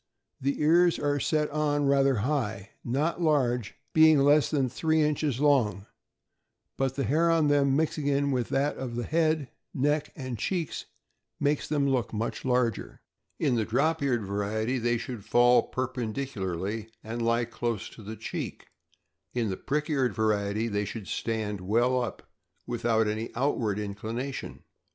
— The ears are set on rather high, not large, being less than three inches 'long; but the hair on them, mixing with that of the head, neck, and cheeks, makes them look much larger. In the drop eared variety they should fall perpendicularly and lie close to the cheek, and in the prick eared variety they should stand well up, without any outward inclination.